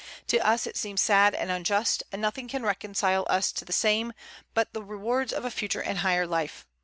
To us it seems sad and unjust; and nothing can reconcile us to the same but the rewards of a future and higher life.